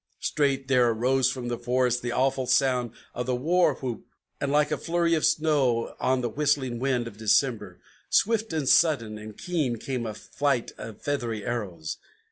Straight there arose from the forest the awful sound of the war whoop. And, like a flurry of snow on the whistling wind of December, Swift and sudden and keen came a flight of feathery arrows.